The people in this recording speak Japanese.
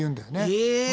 へえ。